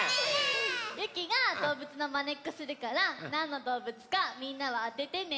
ゆきがどうぶつのまねっこするからなんのどうぶつかみんなはあててね。